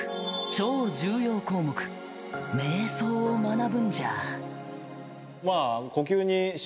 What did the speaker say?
超重要項目瞑想を学ぶんじゃ！